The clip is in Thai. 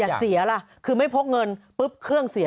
แต่เสียล่ะคือไม่พกเงินปุ๊บเครื่องเสีย